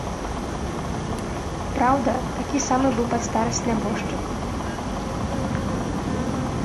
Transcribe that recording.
Праўда, такі самы быў пад старасць нябожчык.